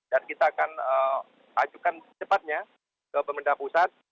dan kita akan ajukan cepatnya ke pemerintah pusat